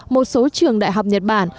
một số trường đại học nhật bản